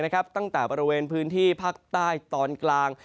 ตั้งแต่บริเวณพื้นที่ภาคใต้ตอนกลาง